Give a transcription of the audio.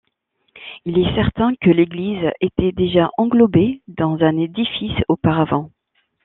Il est certain que l'église était déjà englobée dans un édifice auparavant.